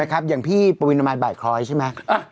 นะครับอย่างพี่ปวินามันบ่ายคล้อยใช่ไหม